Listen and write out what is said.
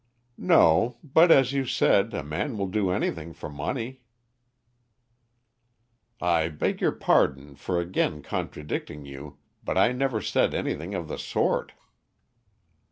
"No, but, as you said, a man will do anything for money." "I beg your pardon for again contradicting you, but I never said anything of the sort."